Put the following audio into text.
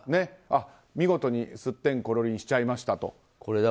見事に、すってんころりんしちゃいましたと。